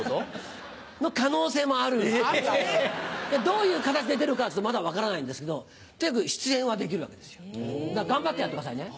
どういう形で出るかはまだ分からないんですけどとにかく出演はできるわけですよ頑張ってやってくださいね。